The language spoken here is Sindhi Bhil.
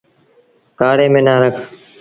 ڪآڙي ميݩ نا رک۔